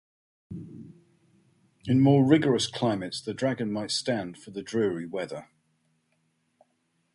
In more rigorous climates the dragon might stand for the dreary winter.